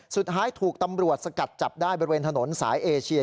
สุดท้ายถูกตำรวจสกัดจับได้บริเวณถนนสายเอเชีย